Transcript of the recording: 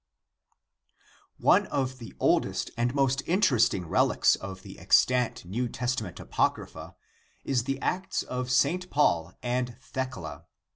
One of the oldest and most interesting relics of the ex tant New Testament Apocrypha, is the Acts of St. Paul and Thecla.